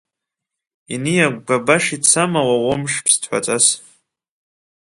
Иниагәгәа баша ицама уа умш ԥсҭҳәаҵас?